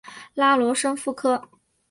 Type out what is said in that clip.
拉罗什富科。